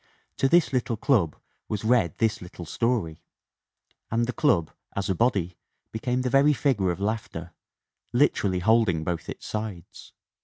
To this little club was read this little story and the club, as a body, became the very figure of laughter, literally holding both its sides.